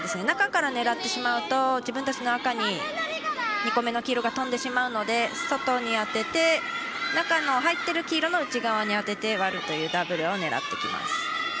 中から狙ってしまうと自分たちの赤に２個目の黄色が飛んでしまうので外に当てて中の入ってる黄色の内側に当てて、割るというダブルを狙ってきます。